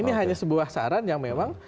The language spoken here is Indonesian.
ini hanya sebuah saran yang memang